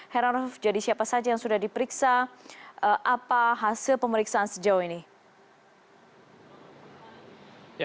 heranov jadi siapa saja yang sudah diperiksa apa hasil pemeriksaan sejauh ini